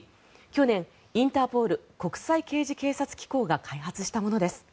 去年、インターポール・国際刑事警察機構が開発したものです。